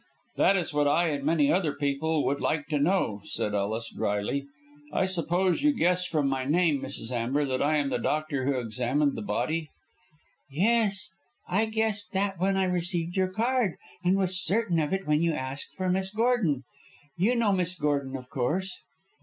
"That is what I and many other people would like to know," said Ellis, drily. "I suppose you guess from my name, Mrs. Amber, that I am the doctor who examined the body?" "Yes. I guessed that when I received your card, and was certain of it when you asked for Miss Gordon. You know Miss Gordon, of course?"